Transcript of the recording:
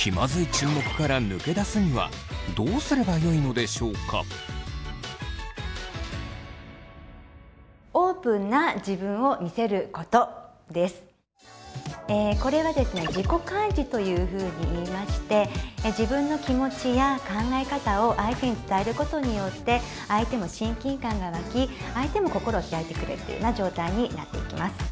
ではこれはですね自己開示というふうにいいまして自分の気持ちや考え方を相手に伝えることによって相手も親近感が湧き相手も心を開いてくれるというような状態になっていきます。